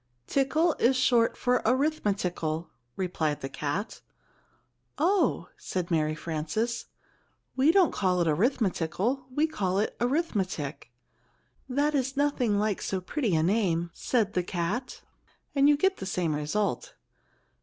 "Tickle is short for arithmetickle," replied the cat. "Oh?" said Mary Frances, "we don't call it arithmetickle; we called it arithmetic." "That is nothing like so pretty a name," said the cat, "and you get the same result."